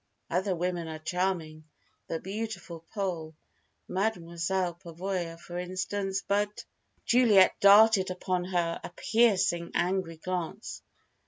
Other women are charming the beautiful Pole, Mademoiselle Pavoya for instance, but " Juliet darted upon her a piercing, angry glance.